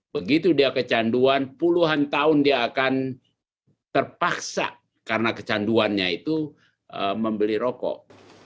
begitu dia kecanduan puluhan tahun dia akan terpaksa karena kecanduannya itu membeli rokok